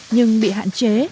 nhưng bị hạn chế